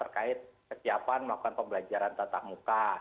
terkait kesiapan melakukan pembelajaran tatap muka